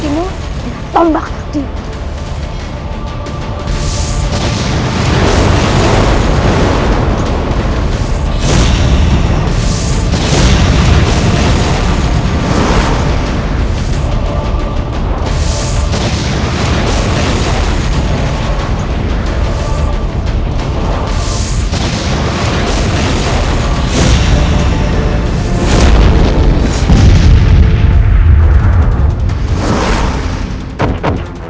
dino kamu harus berhenti